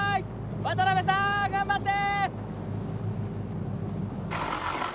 渡邊さん頑張って。